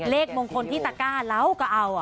เลขมงคลที่ตะก้าเราก็เอา